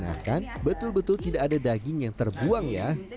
nah kan betul betul tidak ada daging yang terbuang ya